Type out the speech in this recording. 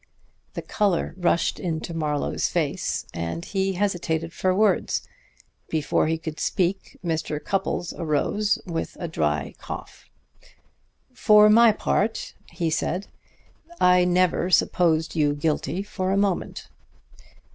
The color rushed into Marlowe's face, and he hesitated for words. Before he could speak Mr. Cupples arose with a dry cough. "For my part," he said, "I never supposed you guilty for a moment."